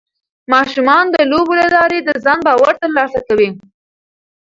ماشومان د لوبو له لارې د ځان باور ترلاسه کوي.